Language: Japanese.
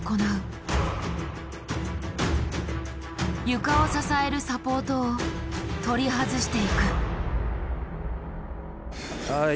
床を支えるサポートを取り外していく。